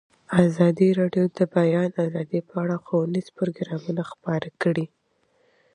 ازادي راډیو د د بیان آزادي په اړه ښوونیز پروګرامونه خپاره کړي.